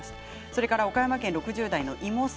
それから岡山県の６０代の方。